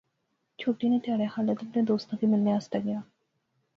چُھٹی نے تہاڑے خالد اپنے دوستا کی ملنے آسطے گیا